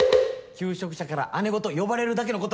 求職者から姉御と呼ばれるだけのことあります。